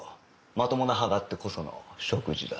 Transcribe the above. まともな歯があってこその食事だ。